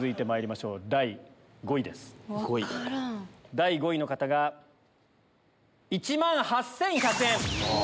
第５位の方が１万８１００円。